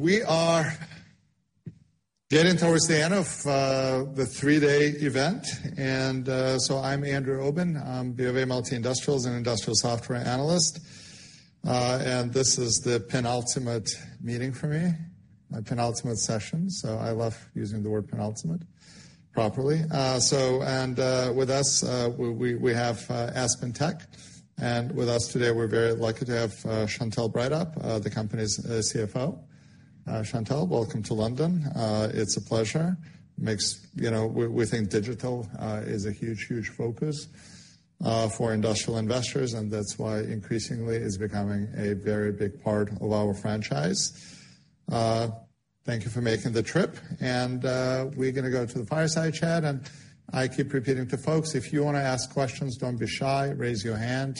We are getting towards the end of the three-day event. I'm Andrew Obin. I'm BofA Multi-Industrials and Industrial Software Analyst. This is the penultimate meeting for me, my penultimate session, I love using the word penultimate properly. With us, we have AspenTech. With us today, we're very lucky to have Chantelle Breithaupt, the company's CFO. Chantelle, welcome to London. It's a pleasure. You know, we think digital is a huge, huge focus for industrial investors, that's why increasingly it's becoming a very big part of our franchise. Thank you for making the trip. We're gonna go to the fireside chat. I keep repeating to folks, if you wanna ask questions, don't be shy. Raise your hand,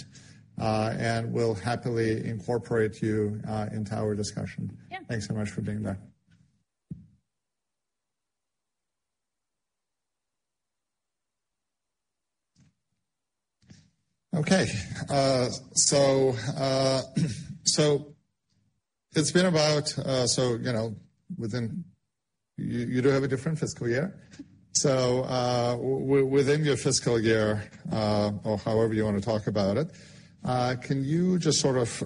and we'll happily incorporate you, into our discussion. Yeah. Thanks so much for being here. Okay. it's been about, so, you know, within... You, you do have a different fiscal year. Mm-hmm. Within your fiscal year, or however you wanna talk about it, can you just sort of,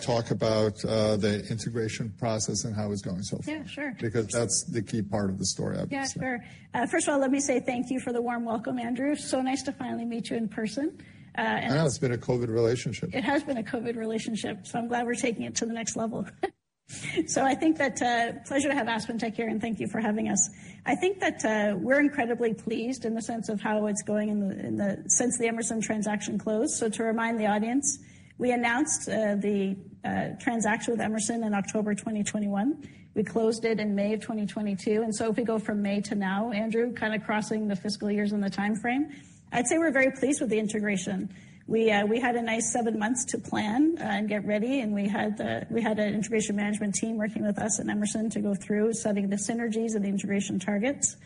talk about, the integration process and how it's going so far? Yeah, sure. That's the key part of the story, obviously. Yeah, sure. First of all, let me say thank you for the warm welcome, Andrew. Nice to finally meet you in person. I know. It's been a COVID relationship. It has been a COVID relationship, I'm glad we're taking it to the next level. I think that, pleasure to have AspenTech here, and thank you for having us. I think that, we're incredibly pleased in the sense of how it's going since the Emerson transaction closed. To remind the audience, we announced the transaction with Emerson in October 2021. We closed it in May of 2022. If we go from May to now, Andrew, kinda crossing the fiscal years and the timeframe, I'd say we're very pleased with the integration. We had a nice 7 months to plan and get ready, and we had an integration management team working with us and Emerson to go through studying the synergies and the integration targets.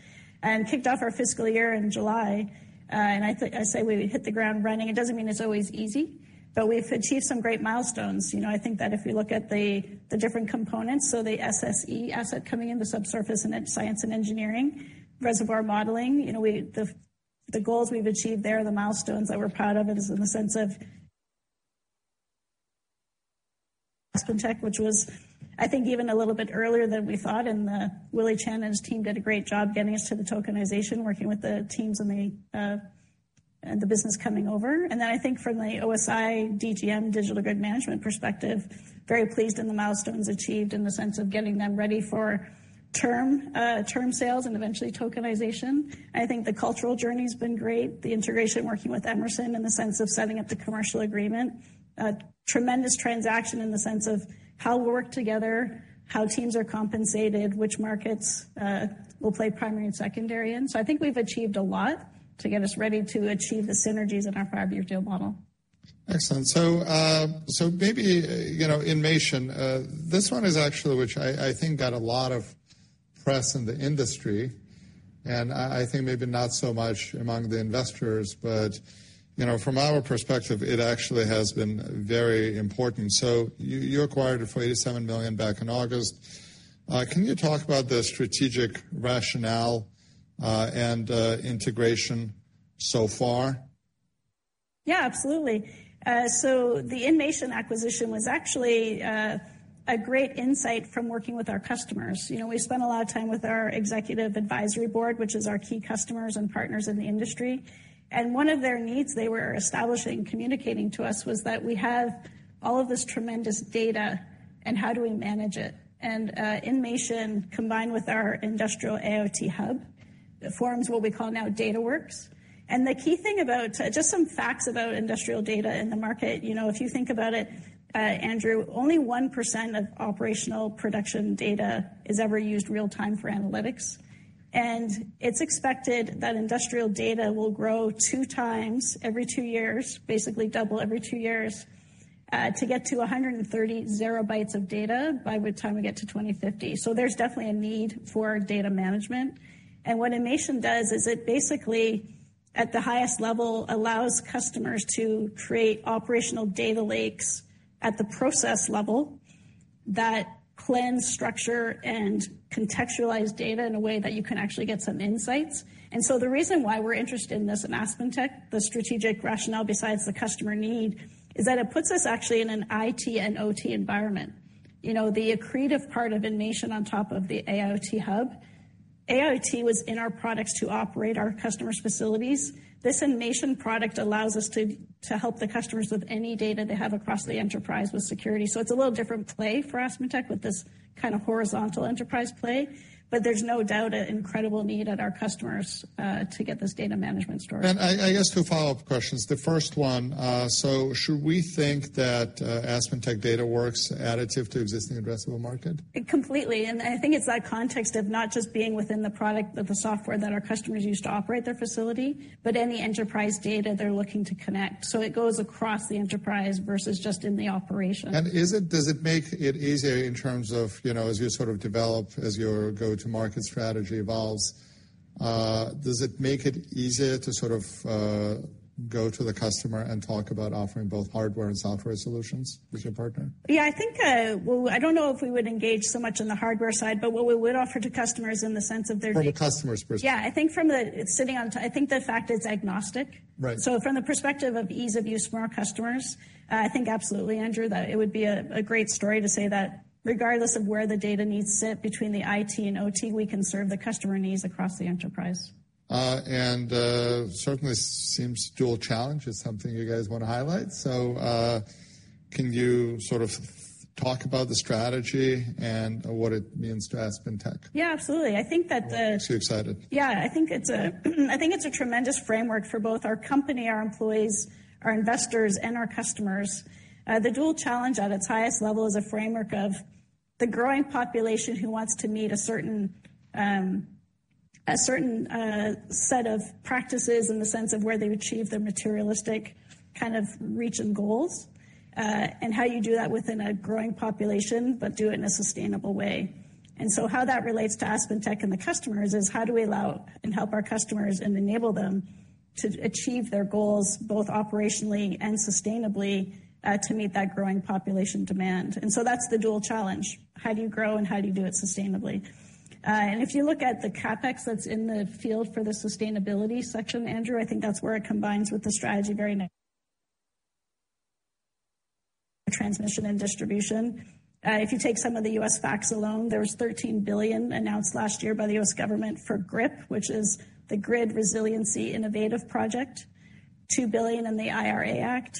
Kicked off our fiscal year in July, and I say we hit the ground running. It doesn't mean it's always easy, but we've achieved some great milestones. You know, I think that if we look at the different components, so the SSE asset coming in, the Subsurface Science and Engineering, reservoir modeling, you know, the goals we've achieved there, the milestones that we're proud of is in the sense of AspenTech, which was I think even a little bit earlier than we thought. Willie Chen and his team did a great job getting us to the tokenization, working with the teams and the business coming over. I think from the OSI, DGM, Digital Grid Management perspective, very pleased in the milestones achieved in the sense of getting them ready for term sales and eventually tokenization. The cultural journey's been great. The integration working with Emerson in the sense of setting up the commercial agreement. Tremendous transaction in the sense of how we'll work together, how teams are compensated, which markets, we'll play primary and secondary in. I think we've achieved a lot to get us ready to achieve the synergies in our five-year deal model. Excellent. Maybe, you know, inmation, this one is actually which I think got a lot of press in the industry, and I think maybe not so much among the investors, but, you know, from our perspective, it actually has been very important. You, you acquired it for $87 million back in August. Can you talk about the strategic rationale and integration so far? Yeah, absolutely. The inmation acquisition was actually a great insight from working with our customers. You know, we spent a lot of time with our executive advisory board, which is our key customers and partners in the industry. One of their needs they were establishing, communicating to us was that we have all of this tremendous data, and how do we manage it? inmation, combined with our AIoT Hub, forms what we call now DataWorks. The key thing about, just some facts about industrial data in the market, you know, if you think about it, Andrew, only 1% of operational production data is ever used real-time for analytics. It's expected that industrial data will grow 2x every 2 years, basically double every 2 years, to get to 130 zero bytes of data by the time we get to 2050. There's definitely a need for data management. What inmation does is it basically, at the highest level, allows customers to create operational data lakes at the process level that cleanse, structure and contextualize data in a way that you can actually get some insights. The reason why we're interested in this at AspenTech, the strategic rationale besides the customer need, is that it puts us actually in an IT and OT environment. You know, the accretive part of inmation on top of the AIoT Hub, AIoT was in our products to operate our customers' facilities. This inmation product allows us to help the customers with any data they have across the enterprise with security. It's a little different play for AspenTech with this kinda horizontal enterprise play. There's no doubt an incredible need at our customers to get this data management story. I guess two follow up questions. The first one, should we think that AspenTech DataWorks additive to existing addressable market? Completely. I think it's that context of not just being within the product of the software that our customers use to operate their facility, but any enterprise data they're looking to connect. It goes across the enterprise versus just in the operation. Is it, does it make it easier in terms of, you know, as you sort of develop, as your go-to-market strategy evolves, does it make it easier to sort of, go to the customer and talk about offering both hardware and software solutions with your partner? Yeah. I think, well, I don't know if we would engage so much on the hardware side, but what we would offer to customers in the sense of their need. From the customer's perspective. Yeah. I think from sitting on I think the fact is agnostic. Right. From the perspective of ease of use for our customers, I think absolutely, Andrew, that it would be a great story to say that regardless of where the data needs sit between the IT and OT, we can serve the customer needs across the enterprise. Certainly seems Dual Challenge is something you guys wanna highlight. Can you sort of talk about the strategy and what it means to AspenTech? Yeah. Absolutely. I think that. Looks, you're excited. Yeah. I think it's a, I think it's a tremendous framework for both our company, our employees, our investors, and our customers. The Dual Challenge at its highest level is a framework of the growing population who wants to meet a certain, a certain, set of practices in the sense of where they would achieve their materialistic kind of reach and goals, and how you do that within a growing population, but do it in a sustainable way. How that relates to AspenTech and the customers is how do we allow and help our customers and enable them to achieve their goals, both operationally and sustainably, to meet that growing population demand. That's the Dual Challenge. How do you grow, and how do you do it sustainably? If you look at the CapEx that's in the field for the sustainability section, Andrew Obin, I think that's where it combines with the strategy very transmission and distribution. If you take some of the U.S. facts alone, there was $13 billion announced last year by the U.S. government for GRIP, which is the Grid Resilience and Innovation Partnerships, $2 billion in the Inflation Reduction Act.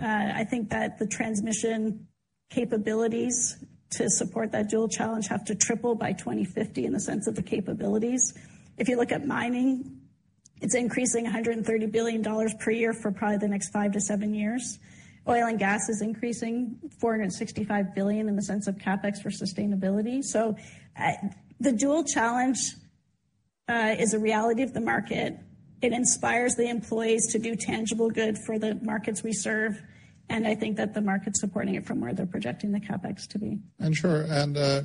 I think that the transmission capabilities to support that Dual Challenge have to triple by 2050 in the sense of the capabilities. If you look at mining, it's increasing $130 billion per year for probably the next 5-7 years. Oil and gas is increasing $465 billion in the sense of CapEx for sustainability. The Dual Challenge is a reality of the market. It inspires the employees to do tangible good for the markets we serve, and I think that the market's supporting it from where they're projecting the CapEx to be. Sure.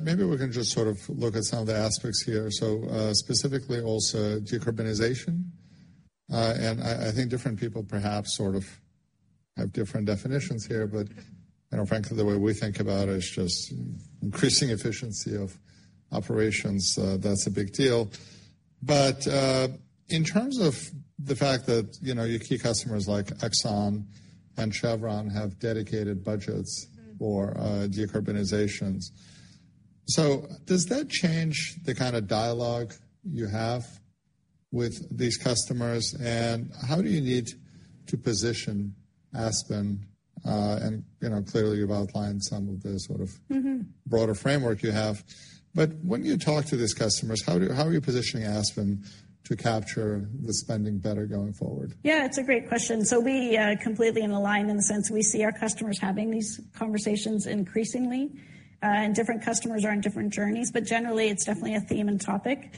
Maybe we can just sort of look at some of the aspects here. Specifically also decarbonization. I think different people perhaps sort of have different definitions here, but, you know, frankly, the way we think about it is just increasing efficiency of operations. That's a big deal. In terms of the fact that, you know, your key customers like ExxonMobil and Chevron have dedicated budgets- Mm-hmm. For decarbonizations. Does that change the kind of dialogue you have with these customers? How do you need to position Aspen? You know, clearly, you've outlined some of the sort of- Mm-hmm. Broader framework you have. When you talk to these customers, how are you positioning Aspen to capture the spending better going forward? Yeah, it's a great question. We completely in align in the sense we see our customers having these conversations increasingly, different customers are on different journeys, but generally, it's definitely a theme and topic.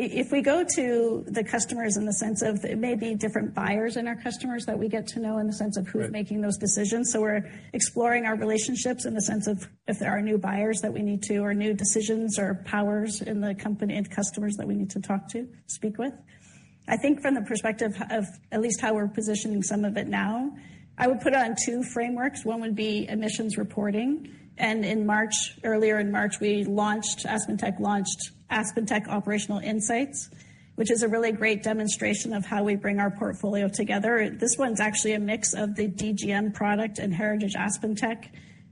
If we go to the customers in the sense of it may be different buyers in our customers that we get to know in the sense of. Right. Is making those decisions. We're exploring our relationships in the sense of if there are new buyers that we need to or new decisions or powers in the company and customers that we need to talk to, speak with. I think from the perspective of at least how we're positioning some of it now, I would put it on two frameworks. One would be emissions reporting. In March, earlier in March, we launched, AspenTech launched AspenTech Operational Insights, which is a really great demonstration of how we bring our portfolio together. This one's actually a mix of the DGM product and Heritage AspenTech,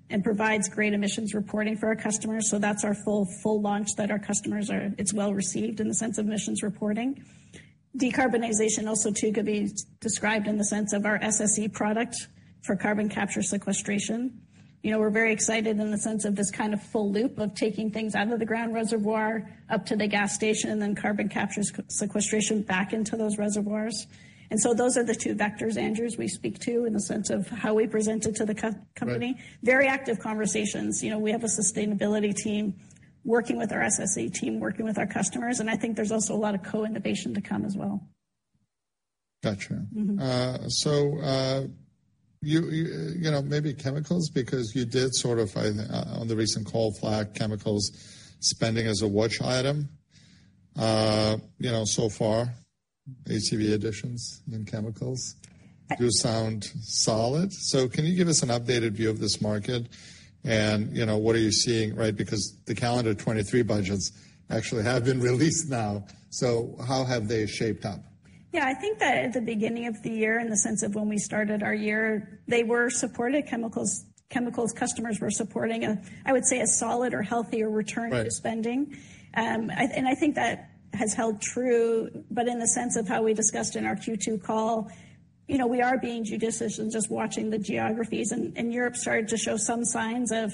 and provides great emissions reporting for our customers. That's our full launch that our customers are... It's well received in the sense of emissions reporting. Decarbonization also too could be described in the sense of our SSE product for carbon capture and sequestration. You know, we're very excited in the sense of this kind of full loop of taking things out of the ground reservoir, up to the gas station, and then carbon capture sequestration back into those reservoirs. Those are the two vectors, Andrew, as we speak to in the sense of how we present it to the company. Right. Very active conversations. You know, we have a sustainability team working with our SSE team, working with our customers. I think there's also a lot of co-innovation to come as well. Got you. Mm-hmm. You know, maybe chemicals because you did sort of, I, on the recent call flag chemicals spending as a watch item. You know, so far, ACV additions in chemicals-. Right. Do sound solid. Can you give us an updated view of this market and, you know, what are you seeing, right? Because the calendar 23 budgets actually have been released now. How have they shaped up? Yeah, I think that at the beginning of the year, in the sense of when we started our year, they were supported. Chemicals customers were supporting, I would say, a solid or healthier return. Right. To spending. I think that has held true, but in the sense of how we discussed in our Q2 call, you know, we are being judicious in just watching the geographies. Europe started to show some signs of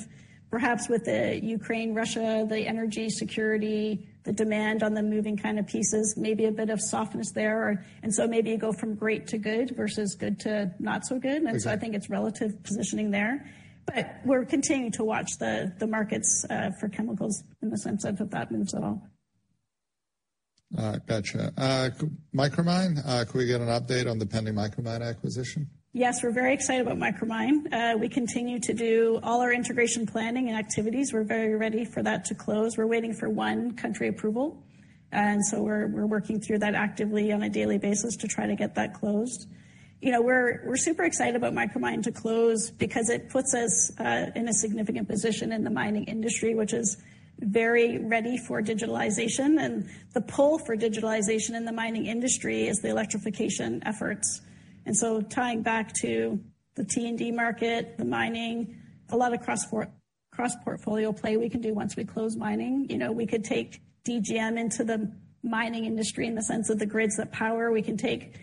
perhaps with the Ukraine, Russia, the energy security, the demand on the moving kind of pieces, maybe a bit of softness there. Maybe you go from great to good versus good to not so good. Okay. I think it's relative positioning there. We're continuing to watch the markets for chemicals in the sense of if that moves at all. All right. Gotcha. Micromine, could we get an update on the pending Micromine acquisition? Yes, we're very excited about Micromine. We continue to do all our integration planning and activities. We're very ready for that to close. We're waiting for one country approval, we're working through that actively on a daily basis to try to get that closed. You know, we're super excited about Micromine to close because it puts us in a significant position in the mining industry, which is very ready for digitalization. The pull for digitalization in the mining industry is the electrification efforts. Tying back to the T&D market, the mining, a lot of cross-portfolio play we can do once we close mining. You know, we could take DGM into the mining industry in the sense of the grids that power. We can take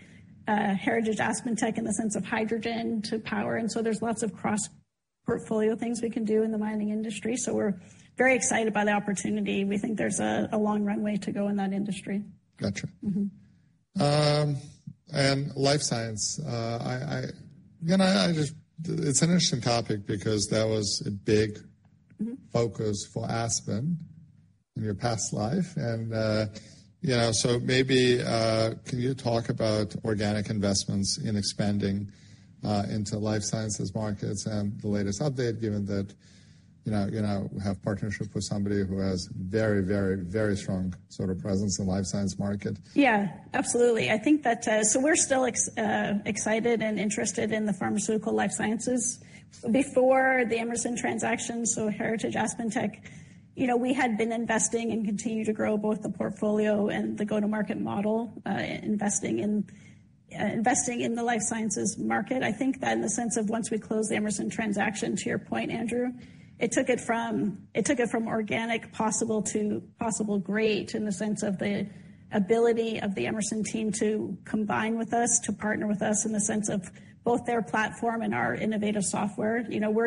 Heritage AspenTech in the sense of hydrogen to power. There's lots of cross-portfolio things we can do in the mining industry. We're very excited by the opportunity, and we think there's a long runway to go in that industry. Got you. Mm-hmm. Life science. You know, I just... It's an interesting topic because that was a big... Mm-hmm. -focus for Aspen in your past life. You know, so maybe, can you talk about organic investments in expanding into life sciences markets and the latest update, given that, you know, you now have partnership with somebody who has very, very, very strong sort of presence in life science market? Yeah, absolutely. I think that we're still excited and interested in the pharmaceutical life sciences. Before the Emerson transaction, Heritage AspenTech, you know, we had been investing and continue to grow both the portfolio and the go-to-market model, investing in the life sciences market. I think that in the sense of once we closed the Emerson transaction, to your point, Andrew, it took it from organic possible to possible great in the sense of the ability of the Emerson team to combine with us, to partner with us in the sense of both their platform and our innovative software. You know, we're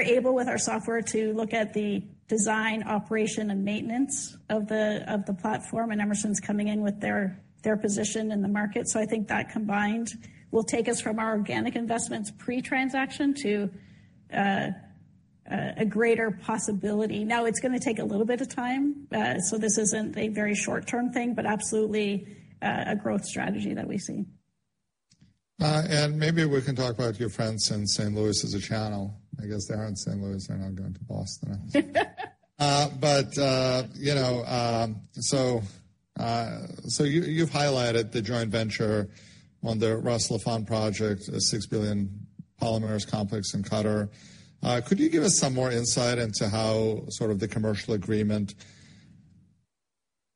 able with our software to look at the design, operation, and maintenance of the platform, and Emerson's coming in with their position in the market. I think that combined will take us from our organic investments pre-transaction to a greater possibility. Now, it's going to take a little bit of time, so this isn't a very short-term thing, but absolutely a growth strategy that we see. Maybe we can talk about your friends in St. Louis as a channel. I guess they're in St. Louis. They're not going to Boston. You know, you've highlighted the joint venture on the Ras Laffan project, a $6 billion polymers complex in Qatar. Could you give us some more insight into how sort of the commercial agreement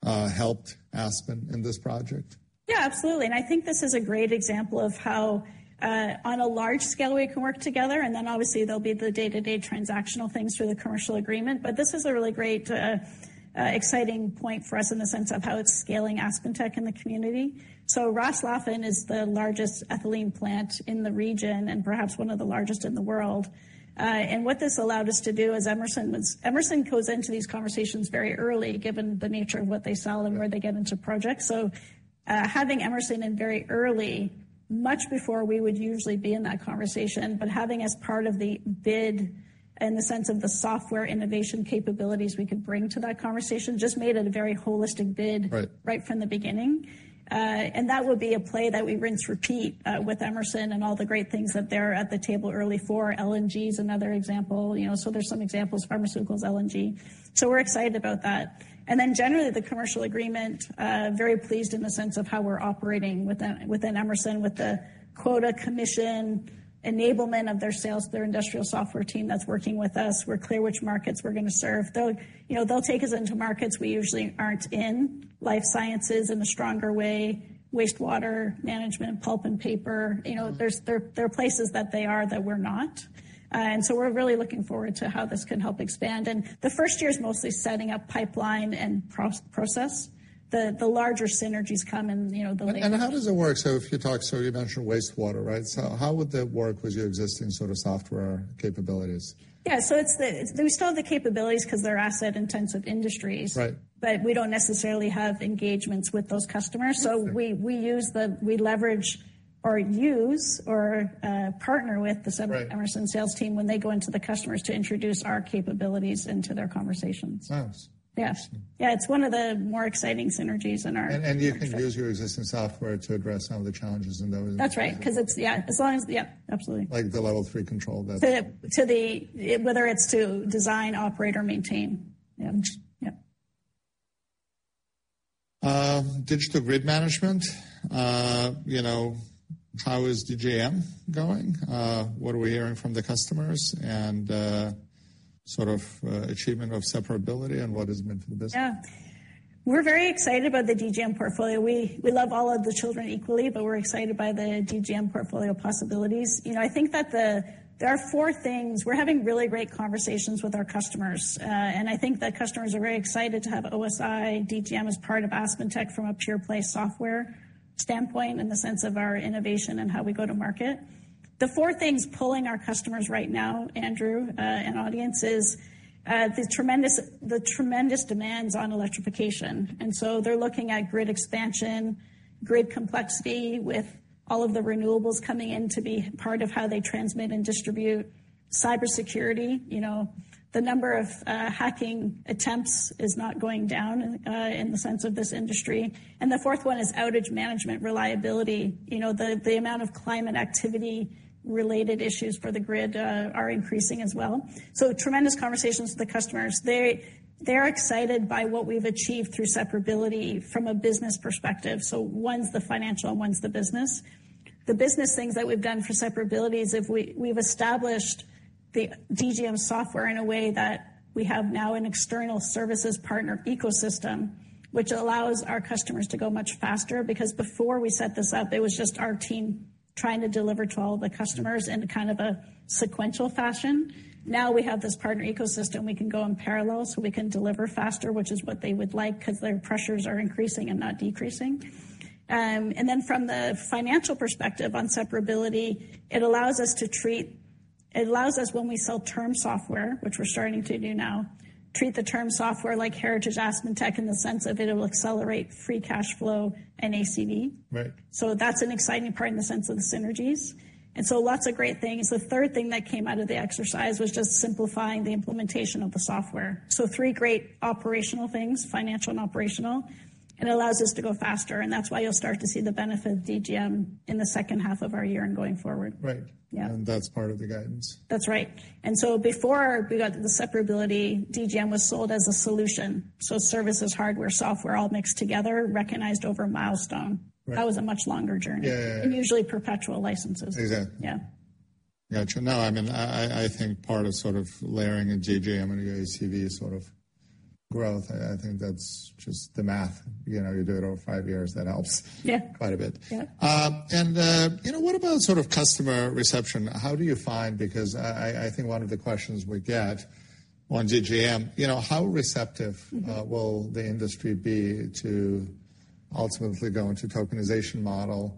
helped Aspen in this project? Absolutely, and I think this is a great example of how on a large scale we can work together, and then obviously there'll be the day-to-day transactional things through the commercial agreement. This is a really great exciting point for us in the sense of how it's scaling AspenTech in the community. Ras Laffan is the largest ethylene plant in the region and perhaps one of the largest in the world. What this allowed us to do is Emerson goes into these conversations very early, given the nature of what they sell and where they get into projects. Having Emerson in very early, much before we would usually be in that conversation, but having as part of the bid in the sense of the software innovation capabilities we could bring to that conversation, just made it a very holistic bid. Right. Right from the beginning. That would be a play that we rinse, repeat, with Emerson and all the great things that they're at the table early for. LNG is another example, you know. There's some examples, pharmaceuticals, LNG. We're excited about that. Then generally, the commercial agreement, very pleased in the sense of how we're operating within Emerson with the quota commission, enablement of their sales, their industrial software team that's working with us. We're clear which markets we're gonna serve. They'll, you know, they'll take us into markets we usually aren't in, life sciences in a stronger way, wastewater management, pulp and paper. You know, there are places that they are that we're not. We're really looking forward to how this can help expand. The first year is mostly setting up pipeline and process. The larger synergies come in, you know. How does it work? If you talk, you mentioned wastewater, right? How would that work with your existing sort of software capabilities? Yeah. It's the, we still have the capabilities 'cause they're asset-intensive industries. Right. We don't necessarily have engagements with those customers. We use the, we leverage or use or partner with the. Right. Emerson sales team when they go into the customers to introduce our capabilities into their conversations. Nice. Yes. Yeah, it's one of the more exciting synergies in our industry. You can use your existing software to address some of the challenges in those industries. That's right, 'cause it's, yeah, as long as, yeah, absolutely. Like the level 3 control. To the, whether it's to design, operate, or maintain. Yeah. Digital Grid Management. You know, how is DGM going? What are we hearing from the customers? Sort of, achievement of separability and what does it mean for the business? Yeah. We're very excited about the DGM portfolio. We love all of the children equally, but we're excited by the DGM portfolio possibilities. You know, I think that there are four things. We're having really great conversations with our customers. I think that customers are very excited to have OSI DGM as part of AspenTech from a pure play software standpoint in the sense of our innovation and how we go to market. The four things pulling our customers right now, Andrew Obin, and audience, is the tremendous demands on electrification. They're looking at grid expansion, grid complexity with all of the renewables coming in to be part of how they transmit and distribute. Cybersecurity, you know, the number of hacking attempts is not going down in the sense of this industry. The fourth one is outage management reliability. You know, the amount of climate activity related issues for the grid are increasing as well. Tremendous conversations with the customers. They're excited by what we've achieved through separability from a business perspective. One's the financial, one's the business. The business things that we've done for separabilities, we've established the DGM software in a way that we have now an external services partner ecosystem, which allows our customers to go much faster. Before we set this up, it was just our team trying to deliver to all the customers in kind of a sequential fashion. Now we have this partner ecosystem, we can go in parallel, so we can deliver faster, which is what they would like, because their pressures are increasing and not decreasing. From the financial perspective on separability, it allows us when we sell term software, which we're starting to do now, treat the term software like Heritage AspenTech in the sense that it will accelerate free cash flow and ACV. Right. That's an exciting part in the sense of the synergies. Lots of great things. The third thing that came out of the exercise was just simplifying the implementation of the software. Three great operational things, financial and operational. It allows us to go faster, and that's why you'll start to see the benefit of DGM in the second half of our year and going forward. Right. Yeah. That's part of the guidance. That's right. Before we got the separability, DGM was sold as a solution. Services, hardware, software, all mixed together, recognized over a milestone. Right. That was a much longer journey. Yeah. Usually perpetual licenses. Exactly. Yeah. Got you. No, I mean, I think part of sort of layering a DGM and ACV sort of growth, I think that's just the math. You know, you do it over five years, that helps. Yeah. Quite a bit. Yeah. You know, what about sort of customer reception? Because I think one of the questions we get on DGM, you know, how receptive will the industry be to ultimately go into tokenization model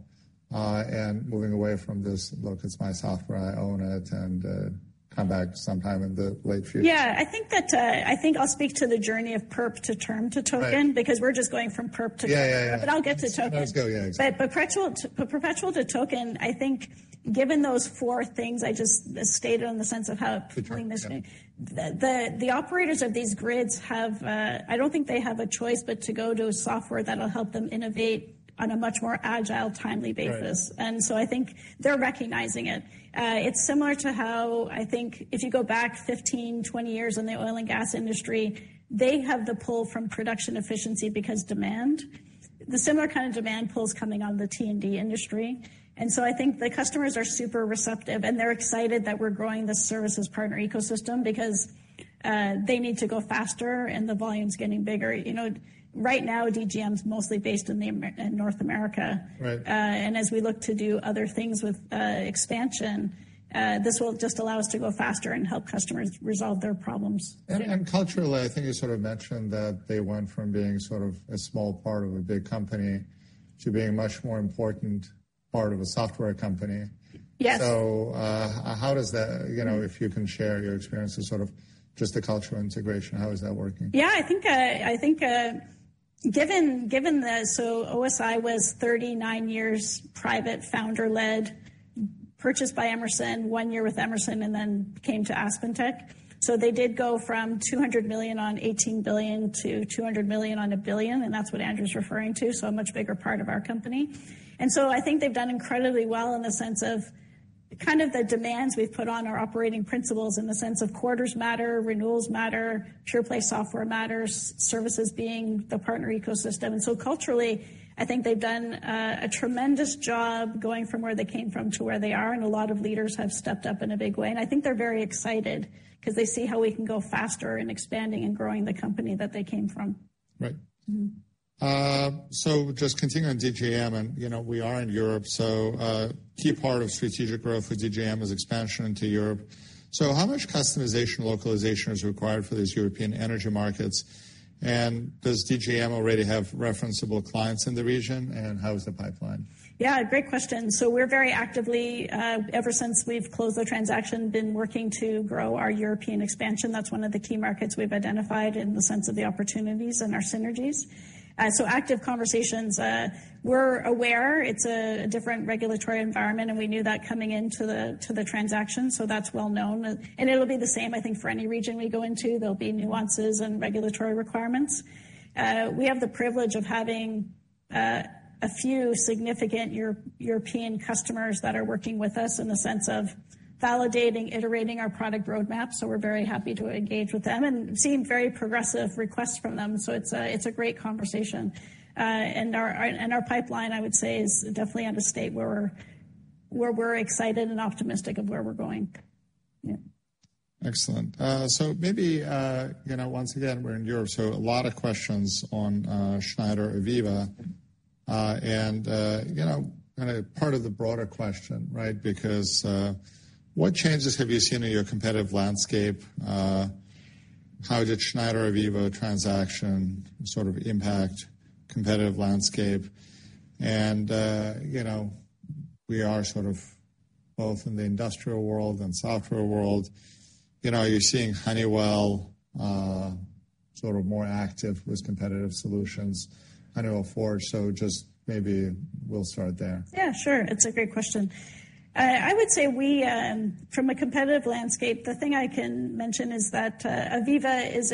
and moving away from this, "Look, it's my software, I own it, and come back sometime in the late future"? Yeah. I think I'll speak to the journey of perp to term to token. Right. We're just going from perp to term. Yeah, yeah. I'll get to token. Let's go, yeah, exactly. perpetual to token, I think given those four things I just stated in the sense of. Good term, yeah. The operators of these grids have, I don't think they have a choice but to go to a software that'll help them innovate on a much more agile, timely basis. Right. I think they're recognizing it. It's similar to how, I think, if you go back 15, 20 years in the oil and gas industry, they have the pull from production efficiency because demand. The similar kind of demand pull is coming on the T&D industry. I think the customers are super receptive, and they're excited that we're growing this services partner ecosystem because they need to go faster and the volume is getting bigger. You know, right now, DGM is mostly based in North America. Right. As we look to do other things with expansion, this will just allow us to go faster and help customers resolve their problems. And culturally, I think you sort of mentioned that they went from being sort of a small part of a big company to being a much more important part of a software company. Yes. How does that, you know, if you can share your experience of sort of just the cultural integration, how is that working? Given OSI was 39 years private founder-led, purchased by Emerson, 1 year with Emerson, and then came to AspenTech. They did go from $200 million on $18 billion to $200 million on $1 billion, and that's what Andrew's referring to, so a much bigger part of our company. I think they've done incredibly well in the sense of kind of the demands we've put on our operating principles in the sense of quarters matter, renewals matter, pure play software matters, services being the partner ecosystem. Culturally, I think they've done a tremendous job going from where they came from to where they are, and a lot of leaders have stepped up in a big way. I think they're very excited because they see how we can go faster in expanding and growing the company that they came from. Right. Mm-hmm. Just continuing on DGM, and, you know, we are in Europe, key part of strategic growth for DGM is expansion into Europe. How much customization localization is required for these European energy markets? Does DGM already have referenceable clients in the region? How is the pipeline? Yeah, great question. We're very actively, ever since we've closed the transaction, been working to grow our European expansion. That's one of the key markets we've identified in the sense of the opportunities and our synergies. Active conversations, we're aware it's a different regulatory environment, and we knew that coming into the transaction. That's well known. It'll be the same, I think, for any region we go into. There'll be nuances and regulatory requirements. We have the privilege of having a few significant European customers that are working with us in the sense of validating, iterating our product roadmap. We're very happy to engage with them and seeing very progressive requests from them. It's a great conversation. Our pipeline, I would say, is definitely at a state where we're excited and optimistic of where we're going. Yeah. Excellent. Maybe, you know, once again, we're in Europe, so a lot of questions on Schneider or AVEVA. You know, kinda part of the broader question, right? Because what changes have you seen in your competitive landscape? How did Schneider or AVEVA transaction sort of impact competitive landscape? You know, we are sort of both in the industrial world and software world. You know, you're seeing Honeywell, Sort of more active with competitive solutions. I know Forge. Just maybe we'll start there. Yeah, sure. It's a great question. I would say we, from a competitive landscape, the thing I can mention is that AVEVA is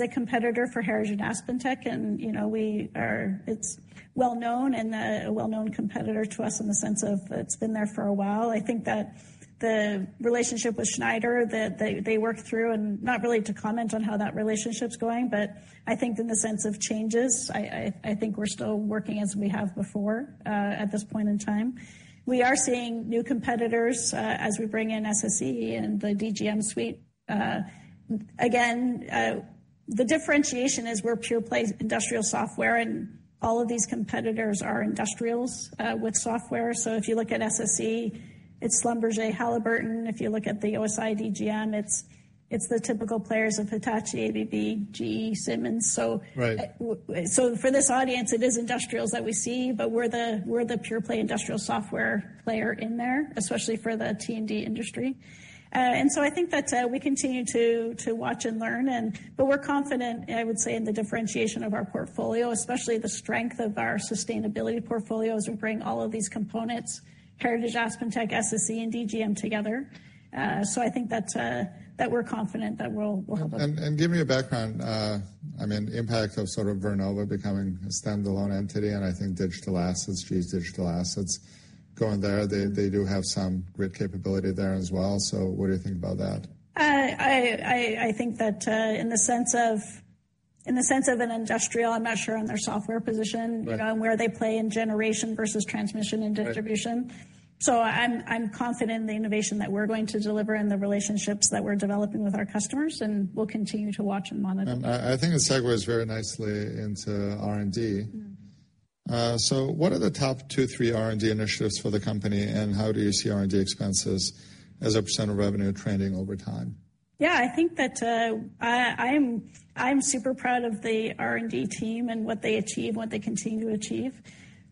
a competitor for Heritage AspenTech, and, you know, it's well-known and a well-known competitor to us in the sense of it's been there for a while. I think that the relationship with Schneider that they work through, and not really to comment on how that relationship's going, but I think in the sense of changes, I think we're still working as we have before, at this point in time. We are seeing new competitors, as we bring in SSE and the DGM suite. Again, the differentiation is we're pure play industrial software, and all of these competitors are industrials, with software. If you look at SSE, it's Schlumberger, Halliburton. If you look at the OSI DGM, it's the typical players of Hitachi, ABB, GE, Siemens. Right. For this audience, it is industrials that we see, but we're the pure play industrial software player in there, especially for the T&D industry. I think that, we continue to watch and learn and. We're confident, I would say, in the differentiation of our portfolio, especially the strength of our sustainability portfolio as we bring all of these components, Heritage AspenTech, SSE, and DGM together. I think that's that we're confident that we'll help. Give me a background, I mean, impact of sort of Vernova becoming a standalone entity, and I think digital assets, GE's digital assets going there. They do have some grid capability there as well. What do you think about that? I think that, in the sense of an industrial, I'm not sure on their software position- Right. on where they play in generation versus transmission and distribution. Right. I'm confident in the innovation that we're going to deliver and the relationships that we're developing with our customers, and we'll continue to watch and monitor. I think it segues very nicely into R&D. Mm-hmm. What are the top two, three R&D initiatives for the company, and how do you see R&D expenses as a % of revenue trending over time? Yeah. I think that I'm super proud of the R&D team and what they achieve, what they continue to achieve.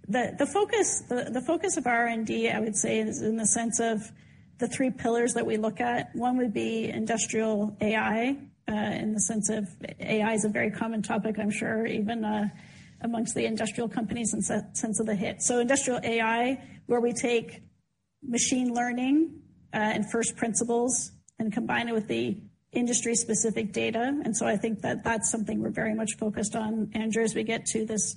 The focus, the focus of R&D, I would say, is in the sense of the three pillars that we look at. One would be Industrial AI, in the sense of AI is a very common topic, I'm sure even amongst the industrial companies in sense of the hit. Industrial AI, where we take machine learning, and first principles and combine it with the industry specific data. I think that that's something we're very much focused on, Andrew, as we get to this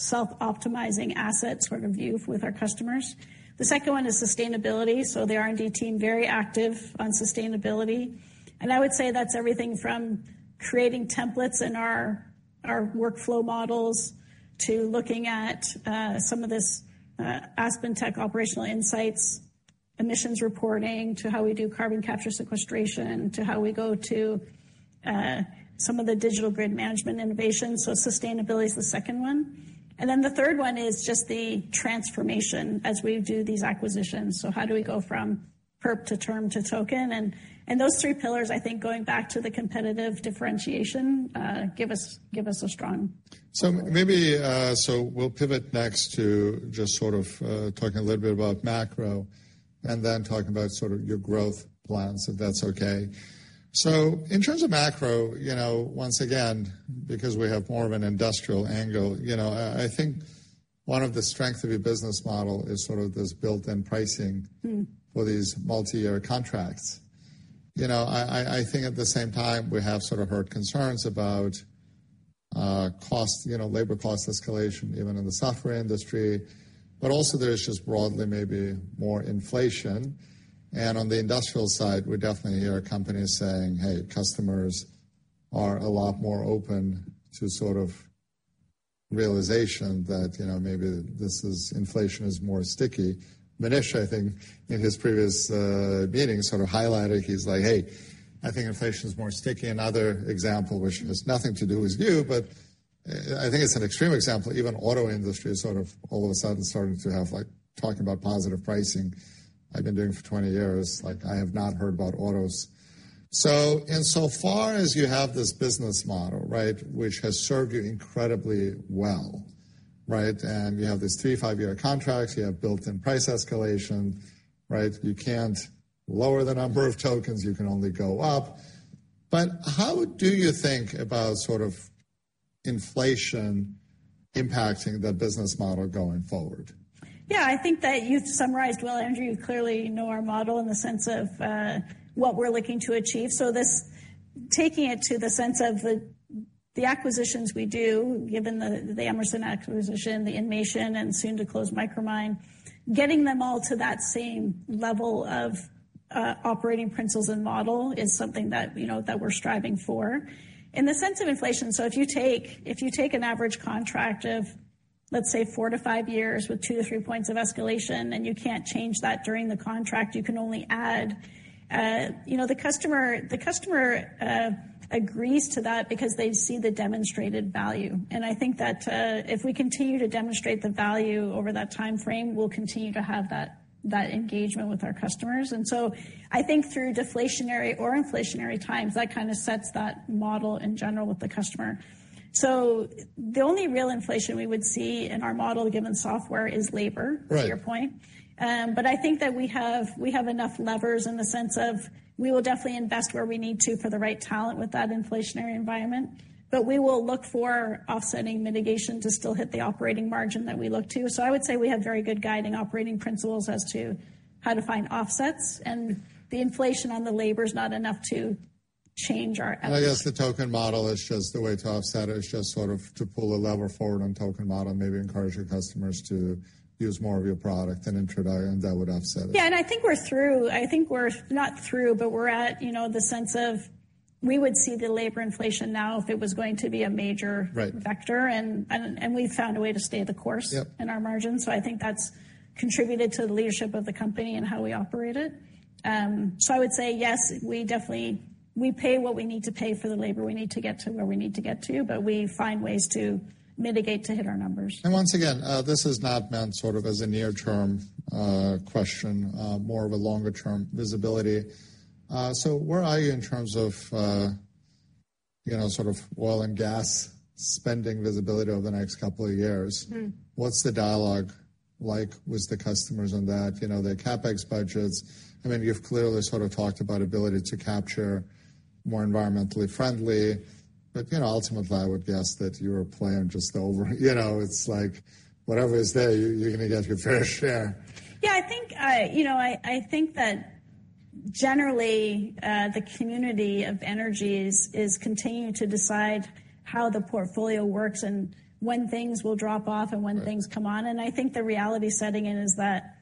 Self-Optimizing Asset sort of view with our customers. The second one is sustainability. The R&D team, very active on sustainability. I would say that's everything from creating templates in our workflow models to looking at some of this AspenTech Operational Insights, emissions reporting, to how we do carbon capture sequestration, to how we go to some of the Digital Grid Management innovation. Sustainability is the second one. The third one is just the transformation as we do these acquisitions. How do we go from perp to term to token? Those three pillars, I think, going back to the competitive differentiation, give us a strong. Maybe, so we'll pivot next to just sort of talking a little bit about macro and then talking about sort of your growth plans, if that's okay. In terms of macro, you know, once again, because we have more of an industrial angle, you know, I think one of the strengths of your business model is sort of this built-in pricing- Mm-mmh -for these multi-year contracts. You know, I think at the same time we have sort of heard concerns about cost, you know, labor cost escalation even in the software industry. Also there's just broadly maybe more inflation. On the industrial side, we definitely hear companies saying, "Hey, customers are a lot more open to sort of realization that, you know, maybe this is inflation is more sticky." Manish, I think in his previous meeting sort of highlighted, he's like, "Hey, I think inflation is more sticky." Another example which has nothing to do with you, but I think it's an extreme example, even auto industry is sort of all of a sudden starting to have, like, talking about positive pricing. I've been doing it for 20 years, like, I have not heard about autos. Insofar as you have this business model, right, which has served you incredibly well, right? You have these three, five-year contracts, you have built-in price escalation, right? You can't lower the number of tokens, you can only go up. How do you think about sort of inflation impacting the business model going forward? Yeah. I think that you've summarized well, Andrew. You clearly know our model in the sense of what we're looking to achieve. This, taking it to the sense of the acquisitions we do, given the Emerson acquisition, the inmation, and soon to close Micromine, getting them all to that same level of operating principles and model is something that, you know, that we're striving for. In the sense of inflation, if you take an average contract of, let's say, 4 to 5 years with 2 to 3 points of escalation, and you can't change that during the contract, you can only add, you know, the customer agrees to that because they see the demonstrated value. I think that, if we continue to demonstrate the value over that time frame, we'll continue to have that engagement with our customers. I think through deflationary or inflationary times, that kind of sets that model in general with the customer. The only real inflation we would see in our model, given software, is labor- Right. to your point. I think that we have enough levers in the sense of we will definitely invest where we need to for the right talent with that inflationary environment. We will look for offsetting mitigation to still hit the operating margin that we look to. I would say we have very good guiding operating principles as to how to find offsets. The inflation on the labor is not enough to change our outlook. I guess the token model is just the way to offset it. It's just sort of to pull a lever forward on token model, maybe encourage your customers to use more of your product and that would offset it. Yeah. I think we're through. I think we're not through, but we're at, you know, the sense of we would see the labor inflation now if it was going to be a major- Right. -vector. We found a way to stay the course... Yep. in our margins. I think that's contributed to the leadership of the company and how we operate it. I would say, yes, we definitely pay what we need to pay for the labor we need to get to where we need to get to, but we find ways to mitigate to hit our numbers. Once again, this is not meant sort of as a near-term question, more of a longer-term visibility. Where are you in terms of, you know, sort of oil and gas spending visibility over the next couple of years? Mm. What's the dialogue like with the customers on that? You know, their CapEx budgets. I mean, you've clearly sort of talked about ability to capture more environmentally friendly. You know, ultimately, I would guess that you're playing just over You know, it's like whatever is there, you're gonna get your fair share. Yeah. You know, I think that generally, the community of energies is continuing to decide how the portfolio works and when things will drop off and when things come on. Right. I think the reality setting in is that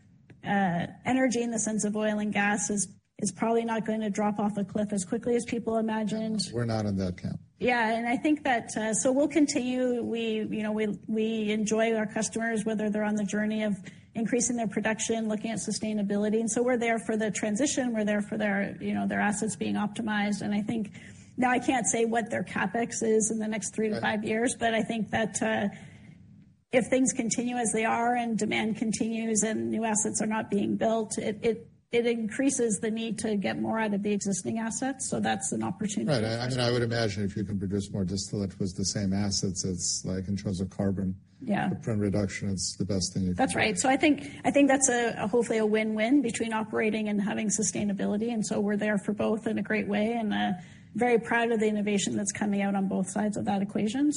energy in the sense of oil and gas is probably not gonna drop off a cliff as quickly as people imagined. We're not in that camp. Yeah. I think that, so we'll continue. We, you know, we enjoy our customers, whether they're on the journey of increasing their production, looking at sustainability, and so we're there for the transition, we're there for their, you know, their assets being optimized. I think. Now, I can't say what their CapEx is in the next three to five years. Right. I think that, if things continue as they are and demand continues and new assets are not being built, it increases the need to get more out of the existing assets. That's an opportunity for us. Right. I would imagine if you can produce more distillate with the same assets, it's like in terms of carbon-. Yeah. footprint reduction, it's the best thing you can do. That's right. I think, I think that's a hopefully a win-win between operating and having sustainability, and so we're there for both in a great way, and very proud of the innovation that's coming out on both sides of that equation.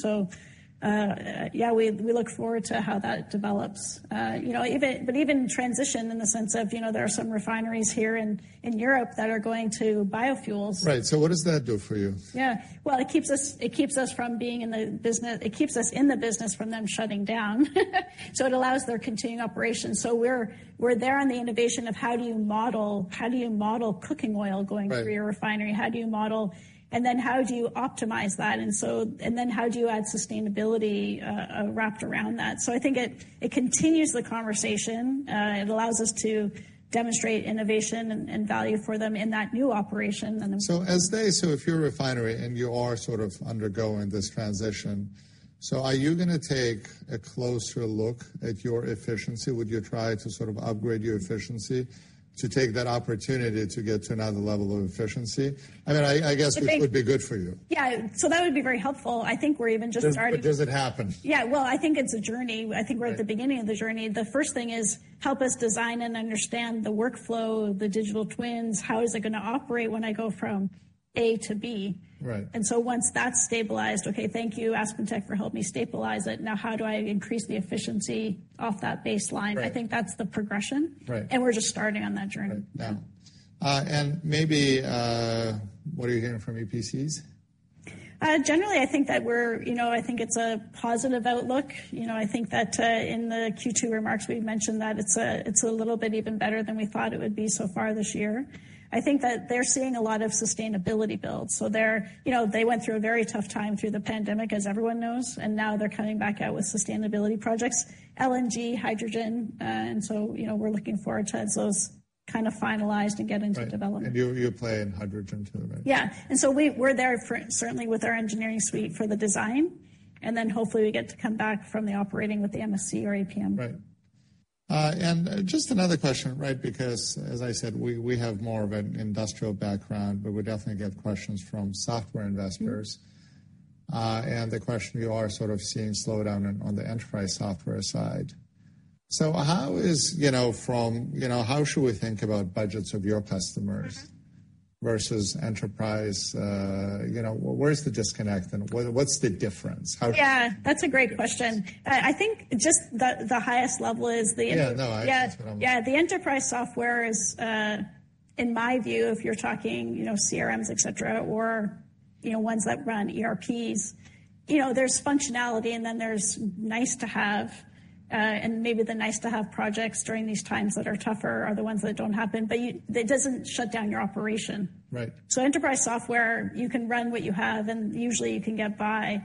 Yeah, we look forward to how that develops. You know, even transition in the sense of, you know, there are some refineries here in Europe that are going to biofuels. Right. What does that do for you? It keeps us in the business from them shutting down. It allows their continuing operations. We're there on the innovation of how do you model cooking oil going through. Right. -your refinery? How do you model... How do you optimize that? How do you add sustainability wrapped around that? I think it continues the conversation. It allows us to demonstrate innovation and value for them in that new operation. If you're a refinery, and you are sort of undergoing this transition, are you gonna take a closer look at your efficiency? Would you try to sort of upgrade your efficiency to take that opportunity to get to another level of efficiency? I mean, I guess it would be good for you. Yeah. That would be very helpful. I think we're even just starting- Does it happen? Yeah. Well, I think it's a journey. Right. I think we're at the beginning of the journey. The first thing is help us design and understand the workflow, the digital twins. How is it gonna operate when I go from A to B? Right. Once that's stabilized, okay, thank you, AspenTech, for helping me stabilize it. Now how do I increase the efficiency off that baseline? Right. I think that's the progression. Right. We're just starting on that journey. Right. Now, and maybe, what are you hearing from EPCs? Generally, I think that we're, you know, I think it's a positive outlook. I think that in the Q2 remarks, we mentioned that it's a little bit even better than we thought it would be so far this year. I think that they're seeing a lot of sustainability builds. You know, they went through a very tough time through the pandemic, as everyone knows, and now they're coming back out with sustainability projects, LNG, hydrogen. You know, we're looking forward to have those kind of finalized and get into development. Right. You, you play in hydrogen too, right? Yeah. We're there for certainly with our engineering suite for the design, and then hopefully we get to come back from the operating with the MSC or APM. Right. Just another question, right? As I said, we have more of an industrial background, but we definitely get questions from software investors. Mm-hmm. The question, you are sort of seeing slowdown on the enterprise software side. How is, you know, from, you know, how should we think about budgets of your customers? Mm-hmm. -versus enterprise? you know, where's the disconnect, and what's the difference? How should- Yeah. That's a great question. I think just the highest level is the... Yeah, no. Yeah. That's what I'm- Yeah. The enterprise software is, in my view, if you're talking, you know, CRMs, et cetera, or, you know, ones that run ERPs, you know, there's functionality, and then there's nice to have, and maybe the nice to have projects during these times that are tougher are the ones that don't happen. It doesn't shut down your operation. Right. Enterprise software, you can run what you have, and usually you can get by.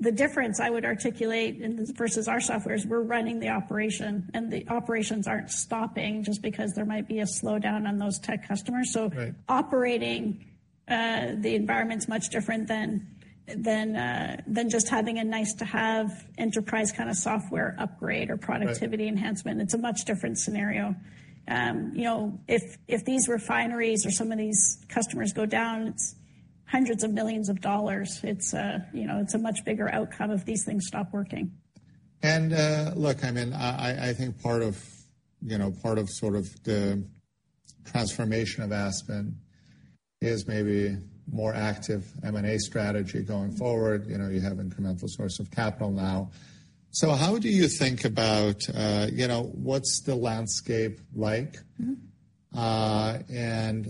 The difference I would articulate in this versus our software is we're running the operation, and the operations aren't stopping just because there might be a slowdown on those tech customers. Right. Operating, the environment's much different than just having a nice to have enterprise kind of software upgrade or productivity enhancement. Right. It's a much different scenario. You know, if these refineries or some of these customers go down, it's hundreds of millions of dollars. It's, you know, it's a much bigger outcome if these things stop working. Look, I mean, I think part of, you know, part of sort of the transformation of Aspen is maybe more active M&A strategy going forward. You know, you have incremental source of capital now. How do you think about, you know, what's the landscape like? Mm-hmm.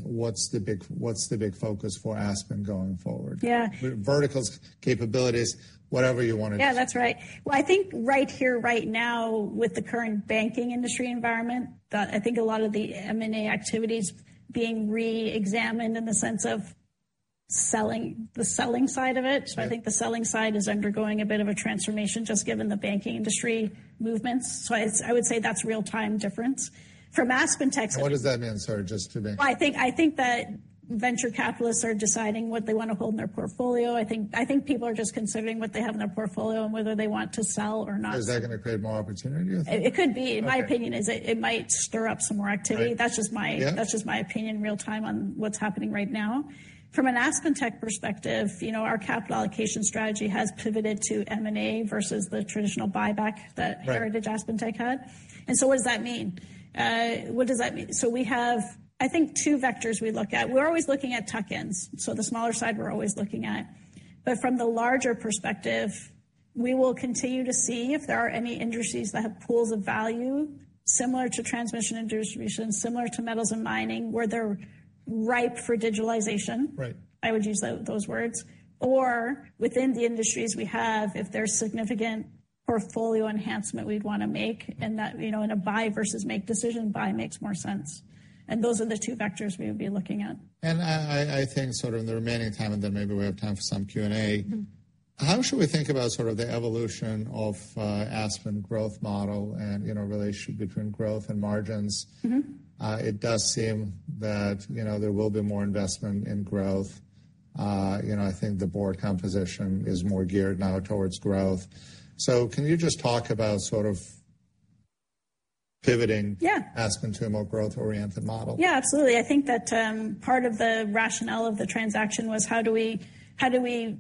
What's the big focus for Aspen going forward? Yeah. Verticals, capabilities, whatever you wanna do. Yeah, that's right. Well, I think right here, right now, with the current banking industry environment, I think a lot of the M&A activity is being reexamined in the sense of selling, the selling side of it. Yeah. I think the selling side is undergoing a bit of a transformation just given the banking industry movements. I would say that's real-time difference. What does that mean? Sorry, just to. Well, I think that venture capitalists are deciding what they want to hold in their portfolio. I think people are just considering what they have in their portfolio and whether they want to sell or not. Is that gonna create more opportunity or...? It could be. Okay. My opinion is it might stir up some more activity. Right. Yeah. That's just my opinion real-time on what's happening right now. From an AspenTech perspective, you know, our capital allocation strategy has pivoted to M&A versus the traditional buyback. Right. Heritage AspenTech had. What does that mean? We have, I think, two vectors we look at. We're always looking at tuck-ins, so the smaller side we're always looking at. From the larger perspective, we will continue to see if there are any industries that have pools of value similar to transmission and distribution, similar to metals and mining, where they're ripe for digitalization. Right. I would use those words. Within the industries we have, if there's significant portfolio enhancement we'd wanna make, and that, you know, in a buy versus make decision, buy makes more sense. Those are the 2 vectors we would be looking at. I think sort of in the remaining time, and then maybe we have time for some Q&A. Mm-hmm. How should we think about sort of the evolution of AspenTech growth model and, you know, relation between growth and margins? Mm-hmm. it does seem that, you know, there will be more investment in growth. you know, I think the board composition is more geared now towards growth. can you just talk about sort of pivoting- Yeah. Aspen to a more growth-oriented model? Yeah, absolutely. I think that part of the rationale of the transaction was how do we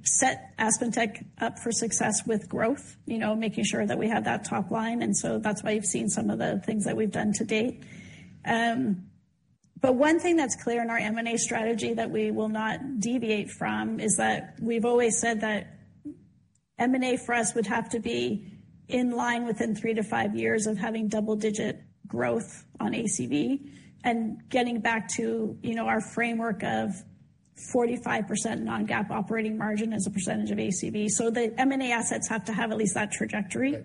set AspenTech up for success with growth? You know, making sure that we have that top line, and so that's why you've seen some of the things that we've done to date. One thing that's clear in our M&A strategy that we will not deviate from is that we've always said that M&A for us would have to be in line within 3 to 5 years of having double-digit growth on ACV and getting back to, you know, our framework of 45% non-GAAP operating margin as a percentage of ACV. The M&A assets have to have at least that trajectory.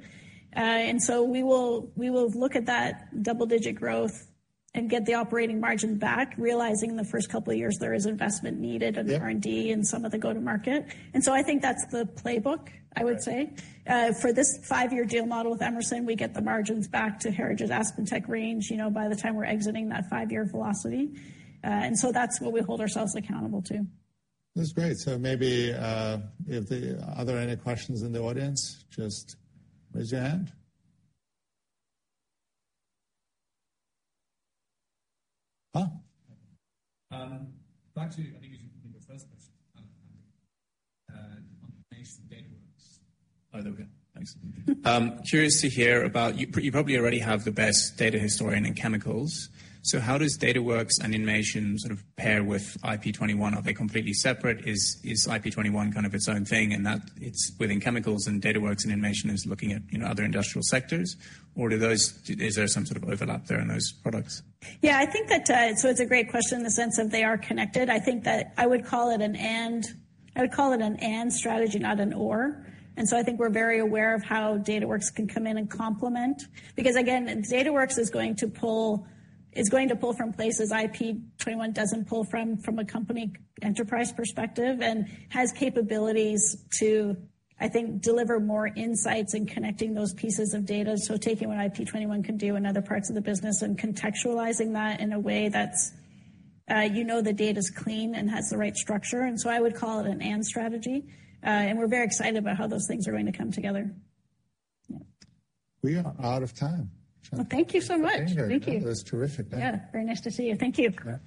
Right. we will look at that double-digit growth and get the operating margin back, realizing the first couple of years there is investment needed. Yeah. -on R&D and some of the go-to-market. I think that's the playbook, I would say. Right. For this five-year deal model with Emerson, we get the margins back to Heritage AspenTech range, you know, by the time we're exiting that five-year velocity. That's what we hold ourselves accountable to. That's great. Maybe, if there are any questions in the audience, just raise your hand. Huh? Back to, I think it was your first question on innovation DataWorks. Oh, there we go. Thanks. Curious to hear about you probably already have the best data historian in chemicals. How does DataWorks and innovation sort of pair with IP.21? Are they completely separate? Is IP.21 kind of its own thing in that it's within chemicals and DataWorks and innovation is looking at, you know, other industrial sectors? Is there some sort of overlap there in those products? Yeah, I think that it's a great question in the sense of they are connected. I think that I would call it an and, I would call it an and strategy, not an or. I think we're very aware of how DataWorks can come in and complement. Because again, DataWorks is going to pull from places IP.21 doesn't pull from a company enterprise perspective, and has capabilities to, I think, deliver more insights in connecting those pieces of data. Taking what IP.21 can do in other parts of the business and contextualizing that in a way that's, you know the data's clean and has the right structure. I would call it an and strategy. We're very excited about how those things are going to come together. We are out of time. Thank you so much. Thank you. Thank you. It was terrific. Yeah. Very nice to see you. Thank you. Yeah.